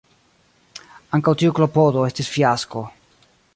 Ankaŭ tiu klopodo estis fiasko.